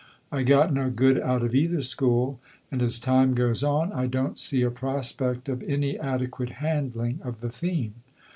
I got no good out of either school, and as time goes on I don't see a prospect of any adequate handling of the theme.